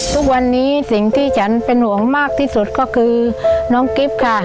ทุกวันนี้สิ่งที่ฉันเป็นห่วงมากที่สุดก็คือน้องกิฟต์ค่ะ